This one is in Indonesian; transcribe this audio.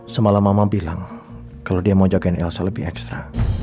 semalam mama bilang kalau dia mau jagain elsa lebih ekstra